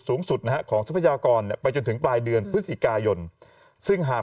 สูงสุดนะฮะของทรัพยากรไปจนถึงปลายเดือนพฤศจิกายนซึ่งหาก